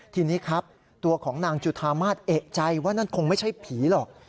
ทีนี้ครับตัวของนางจุธามาศเอกใจว่านั่นคงไม่ใช่ผีหรอก